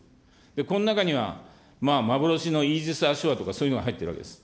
この中には幻のイージス・アショアとかそういうのが入ってるわけです。